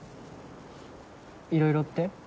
いろいろって？